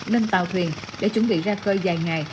lên tàu thuyền để chuẩn bị ra khơi dài ngày